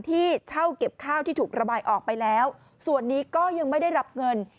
ที่เช่าเก็บข้าวที่ถูกระบายออกไปแล้วส่วนนี้ก็ยังไม่ได้รับเงิน